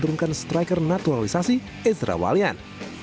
turunkan striker naturalisasi ezra walian